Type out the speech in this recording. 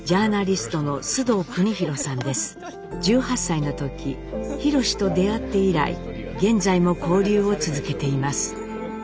１８歳の時ひろしと出会って以来現在も交流を続けています。